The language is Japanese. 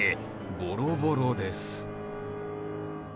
ボロボロです。